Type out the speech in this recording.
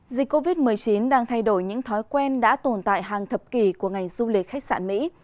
dịch covid một mươi chín đang thay đổi những thói quen đã tồn tại hàng thập kỷ của ngành du lịch khách sạn mỹ